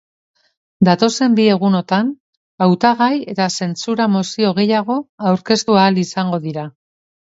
Datozen bi egunotan hautagai eta zentsura mozio gehiago aurkeztu ahal izango dira.